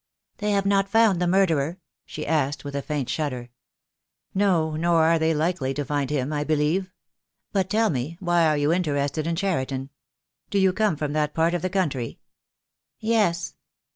"They have not found the murderer?" she asked, with a faint shudder. "No, nor are they ever likely to find him, I believe. But tell me why you are interested in Cheriton. Do you come from that part of the country?" "Yes."